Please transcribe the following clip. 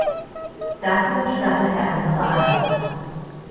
Dafür stachelt er andere an.